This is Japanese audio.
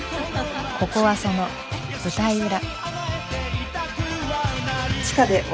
ここはその舞台裏。